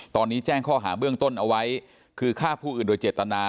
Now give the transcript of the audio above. ตอนนี้แจ้งข้อหาเบื้องต้นเอาไว้คือฆ่าผู้อื่นโดยเจตนา